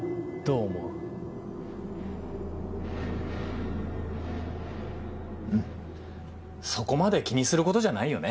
うんそこまで気にすることじゃないよね。